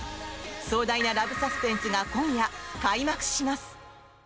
壮大なラブサスペンスが今夜、開幕します。